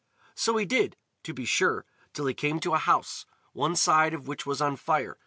So he did, to be sure, till he came to a house, one side of which was on fire.